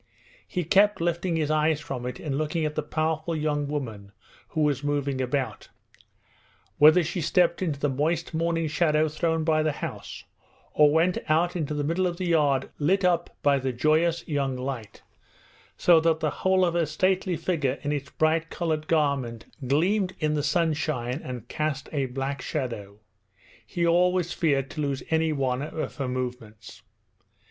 He kept lifting his eyes from it and looking at the powerful young woman who was moving about. Whether she stepped into the moist morning shadow thrown by the house, or went out into the middle of the yard lit up by the joyous young light, so that the whole of her stately figure in its bright coloured garment gleamed in the sunshine and cast a black shadow he always feared to lose any one of her movements.